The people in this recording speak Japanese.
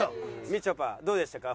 みちょぱどうでしたか？